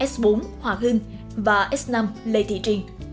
s bốn hòa hưng và s năm lê thị triên